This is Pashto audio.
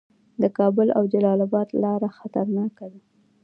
د کابل او جلال اباد لاره خطرناکه ده